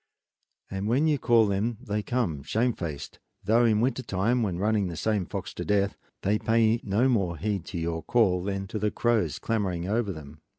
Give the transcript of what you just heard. And when you call them they come shamefaced; though in winter time, when running the same fox to death, they pay no more heed to your call than to the crows clamoring over them.